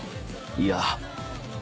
いや。